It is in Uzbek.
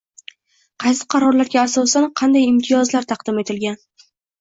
qaysi qarorlarga asosan qanday imtiyozlar taqdim etilgan?